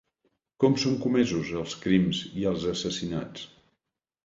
Com són comesos els crims i els assassinats?